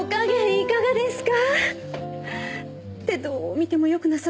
いかがですか？